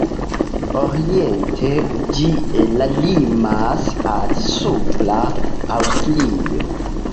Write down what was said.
Oriente ĝi limas al Supra Aŭstrio.